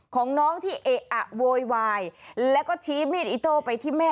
ของน้องที่เอะอะโวยวายแล้วก็ชี้มีดอิโต้ไปที่แม่